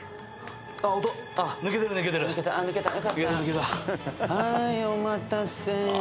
はーいお待たせ。